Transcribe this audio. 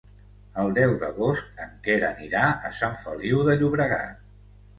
El deu d'agost en Quer anirà a Sant Feliu de Llobregat.